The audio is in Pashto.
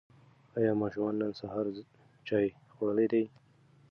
ایا ماشومانو نن سهار چای خوړلی دی؟